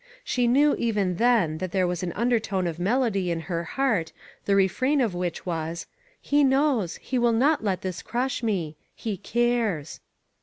She knew, even then, that there was an undertone of melody in her heart, the refrain of which was :" He knows ; he will not let this crush me ; he cares